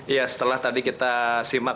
ya setelah tadi kita simak